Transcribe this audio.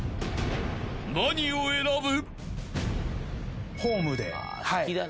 ［何を選ぶ？］